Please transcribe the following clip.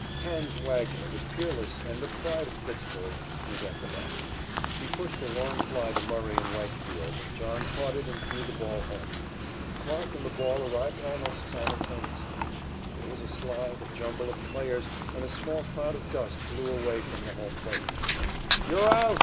"Hans" Wagner, the peerless, and the pride of Pittsburg, was at the bat. He pushed a long fly to Murray in right field, and John caught it and threw the ball home. Clarke and the ball arrived almost simultaneously. There was a slide, a jumble of players, and a small cloud of dust blew away from the home plate. "Ye're out!"